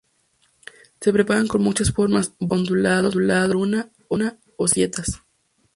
Se preparan con muchas formas: bolas, ondulados, media luna o simples galletas.